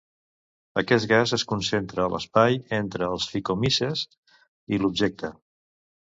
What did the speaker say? Aquest gas es concentra a l'espai entre els phycomyces i l'objecte.